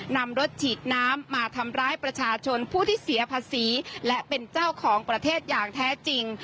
นำรถฉีดน้ำมาทำร้ายประชาชนผู้ที่เสียภาษีและเป็นเจ้าของประเทศอย่างแท้จริง